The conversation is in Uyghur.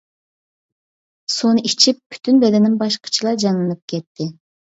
سۇنى ئىچىپ پۈتۈن بەدىنىم باشقىچىلا جانلىنىپ كەتتى.